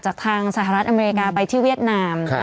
จากทางสหรัฐอเมริกาไปที่เวียดนาม